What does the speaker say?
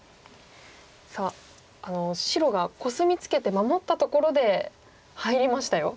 さあ白がコスミツケて守ったところで入りましたよ。